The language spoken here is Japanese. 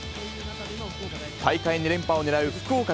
大会２連覇をねらう福岡